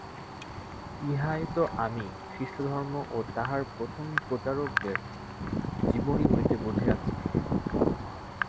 ইহাই তো আমি খ্রীষ্টধর্ম ও তাহার প্রথম প্রচারকদের জীবনী হইতে বুঝিয়াছি।